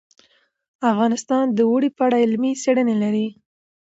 افغانستان د اوړي په اړه علمي څېړنې لري.